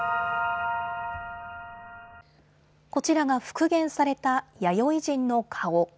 こちらが復元された弥生人の顔。